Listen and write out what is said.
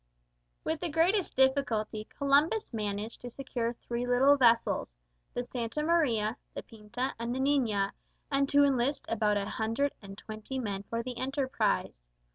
With the greatest difficulty, Columbus managed to secure three little vessels, the Santa Maria, the Pinta, and the Niña, and to enlist about a hundred and twenty men for the enterprise.